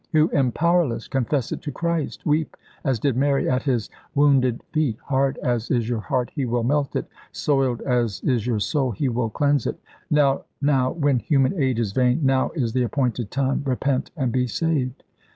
"Who am powerless. Confess it to Christ; weep as did Mary at His wounded feet. Hard as is your heart, He will melt it; soiled as is your soul, He will cleanse it. Now now, when human aid is vain, now is the appointed time. Repent and be saved!"